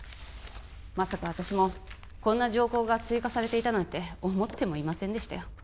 まさか私もこんな条項が追加されていたなんて思ってもいませんでしたよ